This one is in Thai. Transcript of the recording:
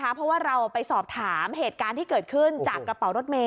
เพราะว่าเราไปสอบถามเหตุการณ์ที่เกิดขึ้นจากกระเป๋ารถเมย